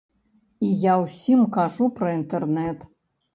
І я ўсім кажу пра інтэрнэт.